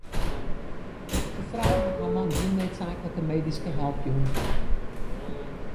De frou hat har man gjin needsaaklike medyske help jûn.